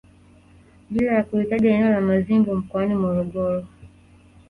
Bila ya kulitaja eneo la Mazimbu mkoani Morogoro